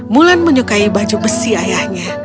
mulan menyukai baju besi ayahnya